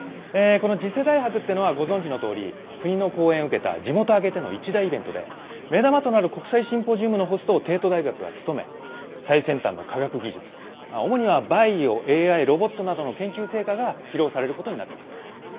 この次世代博ってのはご存じのとおり国の後援を受けた地元挙げての一大イベントで目玉となる国際シンポジウムのホストを帝都大学が務め最先端の科学技術主にはバイオＡＩロボットなどの研究成果が披露されることになってます。